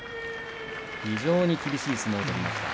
非常に厳しい相撲を取りました。